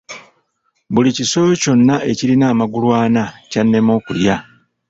Buli kisolo kyonna ekirina amagulu ana kyannema okulya.